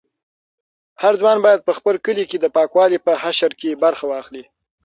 هر ځوان باید په خپل کلي کې د پاکوالي په حشر کې برخه واخلي.